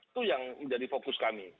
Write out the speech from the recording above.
itu yang menjadi fokus kami